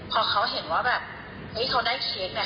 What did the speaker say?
พอเขาเห็นว่าแบบเฮ้ยเขาได้เคสเนี่ย